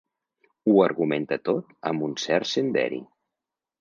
Ho argumenta tot amb un cert senderi.